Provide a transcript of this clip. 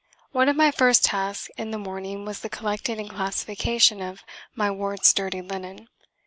One of my first tasks in the morning was the collecting and classification of my ward's dirty linen.